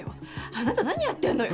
あなた何やってんのよ。